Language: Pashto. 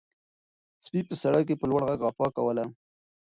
سپي په سړک کې په لوړ غږ غپا کوله.